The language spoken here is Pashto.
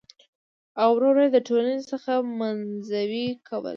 او ور ور يې د ټـولنـې څـخـه منـزوي کـول .